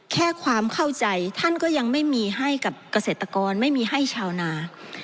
แค่ความเข้าใจท่านก็ยังไม่มีให้กับเกษตรกรไม่มีให้ชาวนา